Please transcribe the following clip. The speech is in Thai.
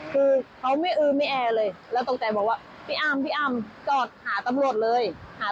คือท่าว่าอืมไม่แอตกใจที่อามหาตำรวจเลย